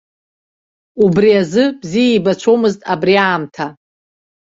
Убри азы бзиа ибацәомызт абри аамҭа.